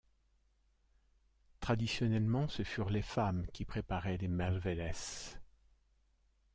Traditionnellement, ce furent les femmes qui préparaient les mèrvelles.